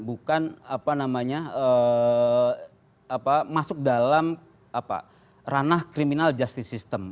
bukan apa namanya masuk dalam ranah criminal justice system